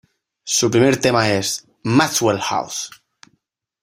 Su primer tema es "Maxwell House".